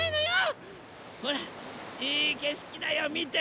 ほらいいけしきだよみて！